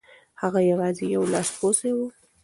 هغه یوازې یو لاسپوڅی و.